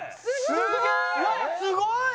すごーい！